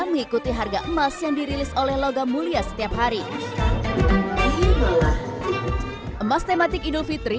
mengikuti harga emas yang dirilis oleh logam mulia setiap hari emas tematik idul fitri